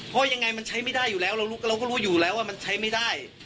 เพราะยังไงมันใช้ไม่ได้อยู่แล้วเราก็รู้อยู่แล้วว่ามันใช้ไม่ได้